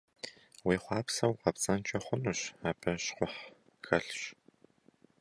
Уехъуапсэу укъэпцӀэнкӀэ хъунущ, абы щхъухь хэлъщ.